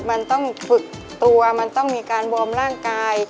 มันต้องฝึกตัวมันต้องมีการวอร์มร่างกาย